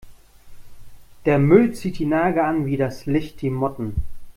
Der Müll zieht die Nager an wie das Licht die Motten.